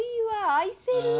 愛せる！